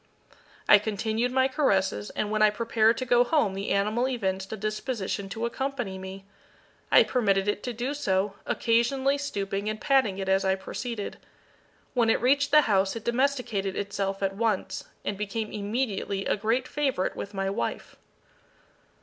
I continued my caresses, and when I prepared to go home the animal evinced a disposition to accompany me. I permitted it to do so, occasionally stooping and patting it as I proceeded. When it reached the house it domesticated itself at once, and became immediately a great favourite with my wife.